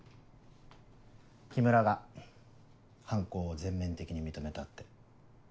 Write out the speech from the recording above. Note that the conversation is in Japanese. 木村が犯行を全面的に認めたって。